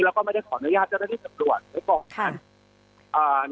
แล้วก็ไม่ได้ขออนุญาตเจ้าหน้าที่ตำรวจได้บอกค่ะ